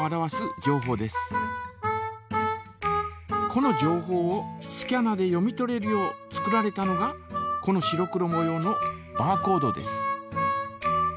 この情報をスキャナで読み取れるよう作られたのがこの白黒もようのバーコードです。